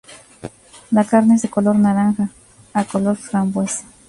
La carne es de color naranja a color frambuesa.